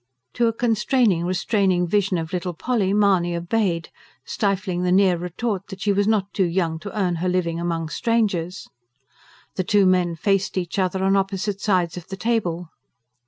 To a constraining, restraining vision of little Polly, Mahony obeyed, stifling the near retort that she was not too young to earn her living among strangers. The two men faced each other on opposite sides of the table.